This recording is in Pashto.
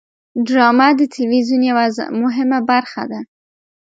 ډرامه د تلویزیون یوه مهمه برخه ده